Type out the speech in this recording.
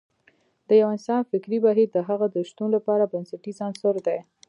د يو انسان فکري بهير د هغه د شتون لپاره بنسټیز عنصر دی.